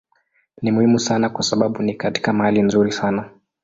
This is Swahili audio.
Ni muhimu sana kwa sababu ni katika mahali nzuri sana.